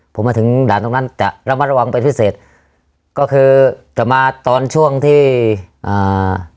ผมมาถึงด่านตรงนั้นจะระมัดระวังเป็นพิเศษก็คือจะมาตอนช่วงที่อ่า